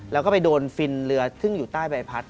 แล้วก็ไปโดนฟินเรือซึ่งอยู่ใต้ใบพัด